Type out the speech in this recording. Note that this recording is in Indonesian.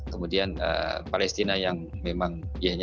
kemudian palestina yang memang